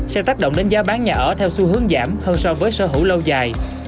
sẽ tác động đến giá bán nhà ở theo xu hướng giảm hơn so với sở hữu lâu dài